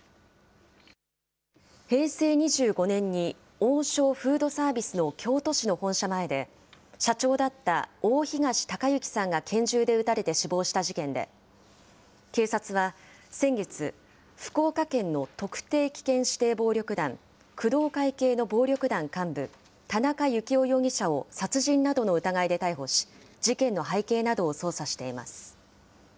平成２５年に、王将フードサービスの京都市の本社前で、社長だった大東隆行さんが拳銃で撃たれて死亡した事件で、警察は先月、福岡県の特定危険指定暴力団工藤会系の暴力団幹部、田中幸雄容疑者を殺人などの疑いで逮捕し、事件の背景などを捜査しています。